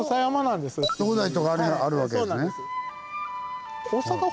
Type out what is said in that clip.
東大寺とかあの辺にあるわけですね。